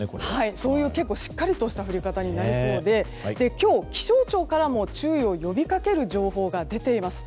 そういう結構しっかりした降り方になりそうで今日、気象庁からも注意を呼び掛ける情報が出ています。